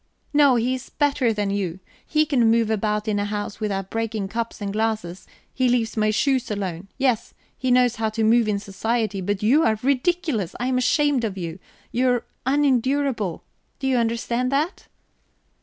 "No, he is better than you; he can move about in a house without breaking cups and glasses; he leaves my shoes alone. Yes! He knows how to move in society; but you are ridiculous I am ashamed of you you are unendurable do you understand that?"